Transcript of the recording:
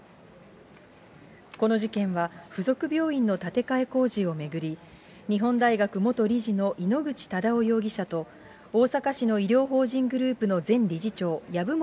この事件は、付属病院の建て替え工事を巡り、日本大学元理事の井ノ口忠男容疑者と、大阪市の医療法人グループの前理事長、籔本